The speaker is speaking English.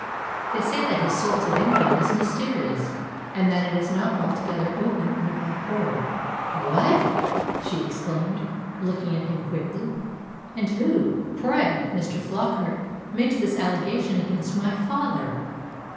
"They say that his source of income is mysterious, and that it is not altogether open and above board." "What!" she exclaimed, looking at him quickly. "And who, pray, Mr. Flockart, makes this allegation against my father?"